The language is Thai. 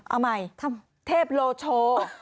เอาใหม่ถ้ามเทพโลโช